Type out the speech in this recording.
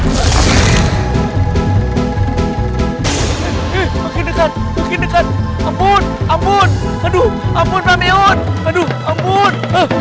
mungkin dekat mungkin dekat ampun ampun aduh ampun ampun